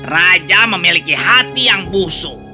raja memiliki hati yang busuk